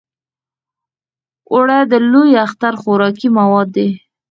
اوړه د لوی اختر خوراکي مواد دي